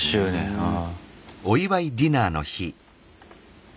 ああ。